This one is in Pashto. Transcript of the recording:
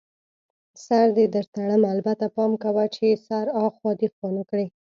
سر دې در تړم، البته پام کوه چي سر اخوا دیخوا نه کړې.